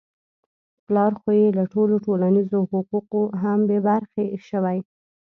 پلار خو يې له ټولو ټولنیزو حقوقو هم بې برخې شوی.